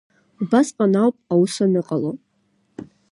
Убасҟан ауп аус аныҟало…